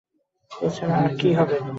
এ ছাড়া আর কী করে?